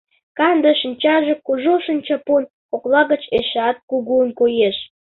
Канде шинчаже кужу шинчапун кокла гыч эшеат кугун коеш.